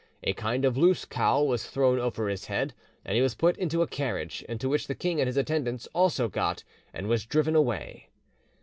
A kind of loose cowl was thrown over his head, and he was put into a carriage, into which the king and his attendants also got, and was driven away."